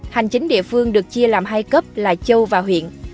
hành chính địa phương được chia làm hai cấp là châu và huyện